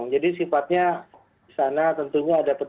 jadi sifatnya di sana tentunya ada petunjuk